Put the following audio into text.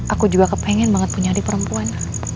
aku juga kepengen banget punya adik perempuan